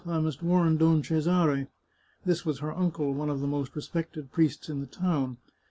" I must warn Don Cesare." This was her uncle, one of the most respected priests in the town.